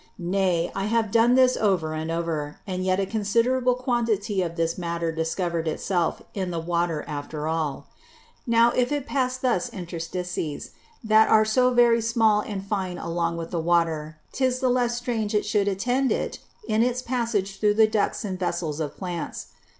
Nay, I have done this over and over; and yet a considerable quantity of this Matter discover'd it self in the Water after all. Now if it thus pass Interstices, that are so very small and fine along with the Water, 'tis the less strange it should attend it in its passage through the Ducts and Vessels of Plants.